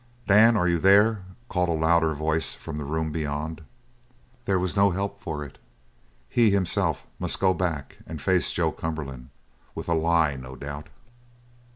"Dan! Are ye there?" called a louder voice from the room beyond. There was no help for it. He, himself, must go back and face Joe Cumberland. With a lie, no doubt.